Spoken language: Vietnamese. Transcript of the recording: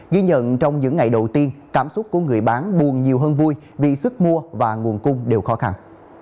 ghi nhận trong những ngày đầu tiên cảm xúc của người bán buồn nhiều hơn vui vì sức mua và nguồn cung đều khó khăn